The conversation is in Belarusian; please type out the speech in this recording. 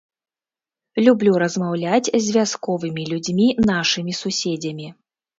Люблю размаўляць з вясковымі людзьмі, нашымі суседзямі.